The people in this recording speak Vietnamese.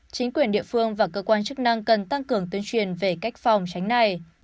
chính quyền địa phương và cơ quan chức năng cần tăng cường tuyên truyền về cách phòng tránh này